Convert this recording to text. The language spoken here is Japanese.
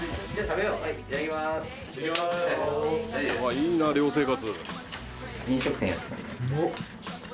「いいな寮生活」